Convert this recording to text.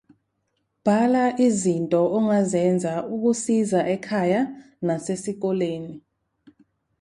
Bhala izinto ongazenza ukusiza ekhaya nasesikoleni.